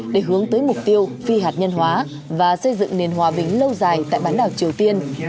để hướng tới mục tiêu phi hạt nhân hóa và xây dựng nền hòa bình lâu dài tại bán đảo triều tiên